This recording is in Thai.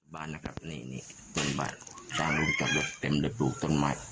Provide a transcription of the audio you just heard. บ้านนะครับนี่นี่ต้นไม้สร้างรุ่นจากเด็ดเต็มเด็ดถูกต้นไม้